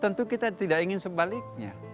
tentu kita tidak ingin sebaliknya